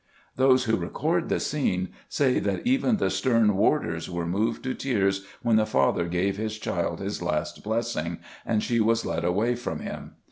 Those who record the scene say that even the stern warders were moved to tears when the father gave his child his last blessing and she was led away from him.